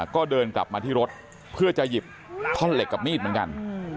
ก็เดินกลับมาที่รถเพื่อจะหยิบท่อนเหล็กกับมีดเหมือนกัน